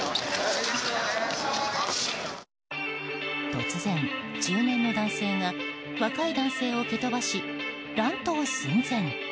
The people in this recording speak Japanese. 突然、中年の男性が若い男性を蹴飛ばし、乱闘寸前。